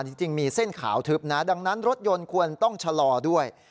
จริงมีเส้นขาวทึบนะดังนั้นรถยนต์ควรต้องชะลอด้วย